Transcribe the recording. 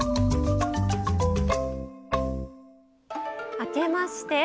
明けまして。